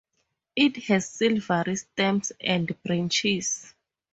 It has silvery stems and branches.